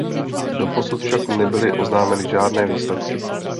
Doposud však nebyly oznámeny žádné výsledky.